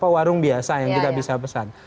warung biasa yang kita bisa pesan